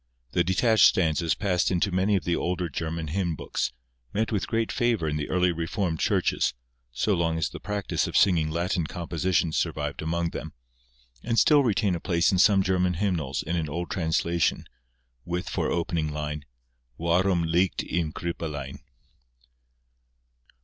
The detached stanzas passed into many of the older German hymn books, met with great favour in the early Reformed Churches, so long as the practice of singing Latin compositions survived among them, and still retain a place in some German hymnals in an old translation, with for opening line, Warum liegt im Krippelein.